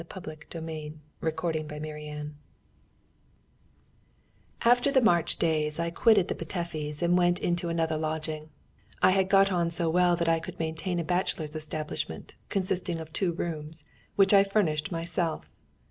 ha! ha!" CHAPTER VIII PETER GYURICZA'S CONSORT After the March days, I quitted the Petöfis and went into another lodging. I had got on so well that I could maintain a bachelor's establishment, consisting of two rooms, which I furnished myself.